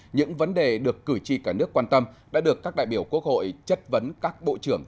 những vấn đề được cử tri cả nước quan tâm đã được các đại biểu quốc hội chất vấn các bộ trưởng